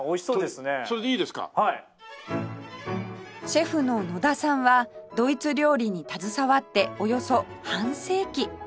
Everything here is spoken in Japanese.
シェフの野田さんはドイツ料理に携わっておよそ半世紀